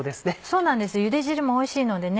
そうなんですゆで汁もおいしいのでね。